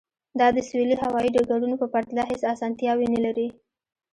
دا د سویلي هوایی ډګرونو په پرتله هیڅ اسانتیاوې نلري